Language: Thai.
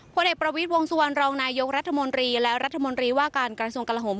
เอกประวิทย์วงสุวรรณรองนายกรัฐมนตรีและรัฐมนตรีว่าการกระทรวงกลาโหม